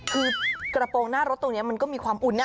คือกระโปรงหน้ารถตรงนี้มันก็มีความอุ่นนะ